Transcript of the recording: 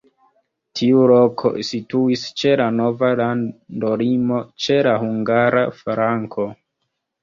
Tiu loko situis ĉe la nova landolimo, ĉe la hungara flanko.